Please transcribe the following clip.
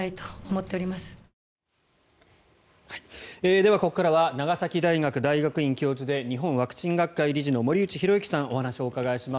では、ここからは長崎大学大学院教授で日本ワクチン学会理事の森内浩幸さんにお話をお伺いします。